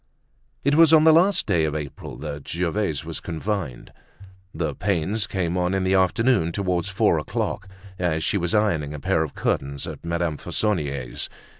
It was on the last day of April that Gervaise was confined. The pains came on in the afternoon, towards four o'clock, as she was ironing a pair of curtains at Madame Fauconnier's.